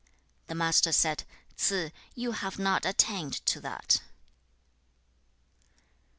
The Master said, 'Ts'ze, you have not attained to that.'